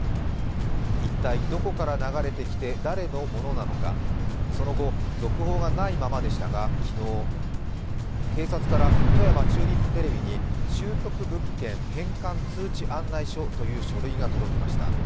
一体どこから流れてきて誰のものなのか、その後、続報がないままでしたが昨日、警察から富山チューリップテレビに拾得物件返還通知案内書という書類が届きました。